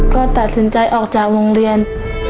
ก็ตัดสินใจออกจากโรงเรียน